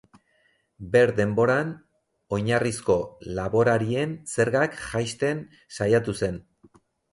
Ber denboran, oinarrizko laborarien zergak jaisten saiatu zen.